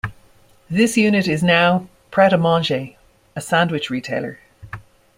This unit is now Pret A Manger, a sandwich retailer.